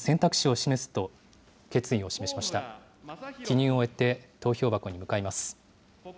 記入を終えて、投票箱に向かいます。